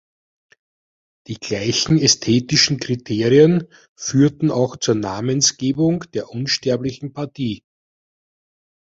Die gleichen ästhetischen Kriterien führten auch zur Namensgebung der Unsterblichen Partie.